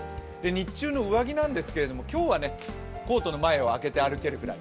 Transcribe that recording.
日中の上着なんですけど今日はコートの前を開けて歩けるくらい。